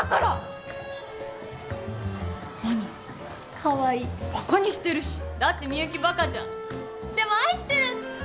カワイイバカにしてるしだってみゆきバカじゃんでも愛してる！